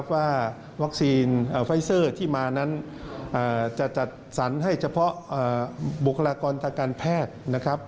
วัคซีนไฟเซอร์ที่มาจะจัดสรรให้เฉพาะบวคลากรตาการแพทย์